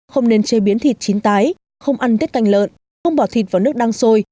không nên chế biến thịt chín tái không ăn tiết canh lợn không bỏ thịt vào nước đang sôi